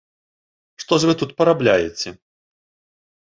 Што ж вы тут парабляеце?